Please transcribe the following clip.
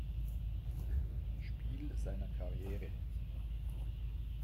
Spiel seiner Karriere.